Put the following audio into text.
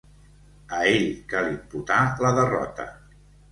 A ell cal imputar la derrota.